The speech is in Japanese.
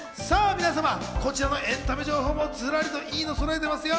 皆様、こちらのエンタメ情報もずらりといいのそろえていますよ。